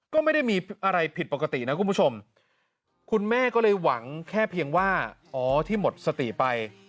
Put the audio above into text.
ก็ไม่ได้มีอะไรผิดปกตินะคุณผู้ชมคุณแม่ก็เลยหวังแค่เพียงว่าอ๋อที่หมดสติไป